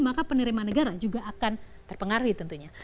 maka penerimaan negara juga akan terpengaruhi tentunya